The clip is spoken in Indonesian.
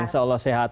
insya allah sehat